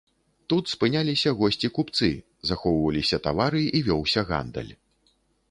Тут спыняліся госці-купцы, захоўваліся тавары, і вёўся гандаль.